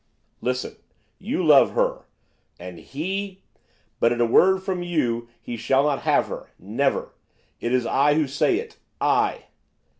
'Listen! you love her, and he! But at a word from you he shall not have her, never! It is I who say it, I!